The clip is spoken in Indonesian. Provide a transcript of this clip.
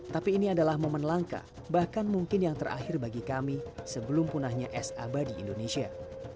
tapi ini adalah momen langka bahkan mungkin yang terakhir bagi kami sebelum punahnya es abadi indonesia